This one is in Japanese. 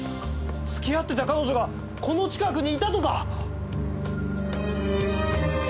付き合ってた彼女がこの近くにいたとか！？